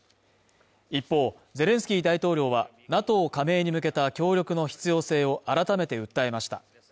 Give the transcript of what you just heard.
一方、ゼレンスキー大統領はＮＡＴＯ加盟に向けた協力の必要性を改めて訴えました。